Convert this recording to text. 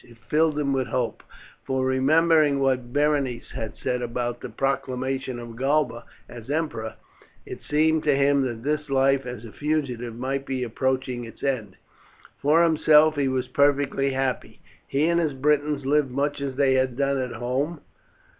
It filled him with hope, for remembering what Berenice had said about the proclamation of Galba as emperor, it seemed to him that this life as a fugitive might be approaching its end. For himself he was perfectly happy. He and his Britons lived much as they had done at home.